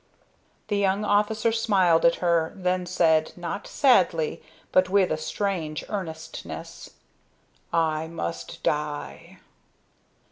The young officer smiled at her, then said, not sadly, but with a strange earnestness: "I must die."